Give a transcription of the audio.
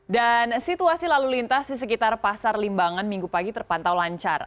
dan situasi lalu lintas di sekitar pasar limbangan minggu pagi terpantau lancar